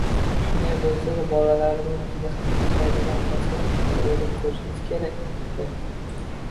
Shunday bo‘lsa-da, bolalarimiz bizga qiladigan munosabat haqida o‘ylab ko‘rishimiz kerakdir?!